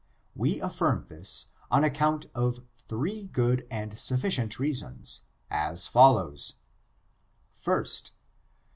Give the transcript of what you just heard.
We affirm this, on account of three good and sufficient reasons, as follows : 1st.